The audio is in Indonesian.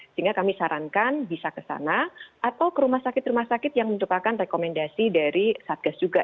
sehingga kami sarankan bisa ke sana atau ke rumah sakit rumah sakit yang merupakan rekomendasi dari satgas juga